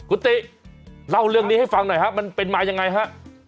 คุณติเล่าเรื่องนี้ให้ฟังหน่อยฮะมันเป็นมายังไงฮะ